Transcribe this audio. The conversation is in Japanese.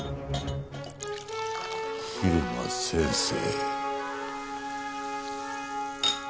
蛭間先生。